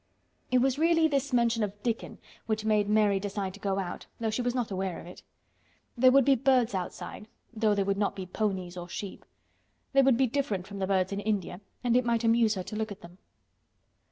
It was really this mention of Dickon which made Mary decide to go out, though she was not aware of it. There would be, birds outside though there would not be ponies or sheep. They would be different from the birds in India and it might amuse her to look at them.